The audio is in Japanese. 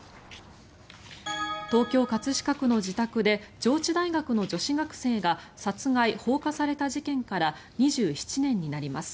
東京・葛飾区の自宅で上智大学の女子学生が殺害・放火された事件から２７年になります。